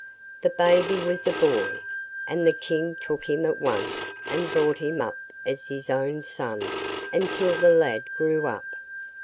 The baby was a boy, and the King took him at once and brought him up as his own son until the lad grew up.